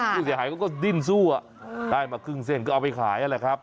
ผู้เสียหายเขาก็ดิ้นสู้ได้มาครึ่งเส้นก็เอาไปขาย